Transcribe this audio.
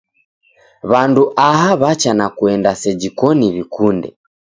W'andu aha w'acha na kuenda seji koni w'ikunde.